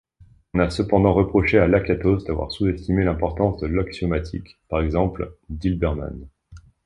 On a cependant reproché à Lakatos d'avoir sous-estimé l'importance de l'axiomatique, par exemple Dilberman.